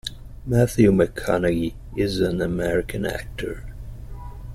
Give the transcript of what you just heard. Matthew McConaughey is an American actor.